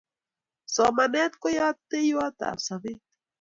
Somanet koyateiwat ab sobet